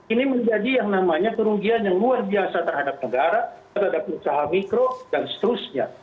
ini menjadi yang namanya kerugian yang luar biasa terhadap negara terhadap usaha mikro dan seterusnya